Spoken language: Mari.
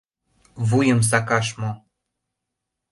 Вуйым сакаш мо?